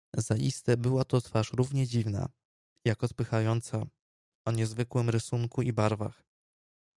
"Zaiste była to twarz równie dziwna, jak odpychająca, o niezwykłym rysunku i barwach."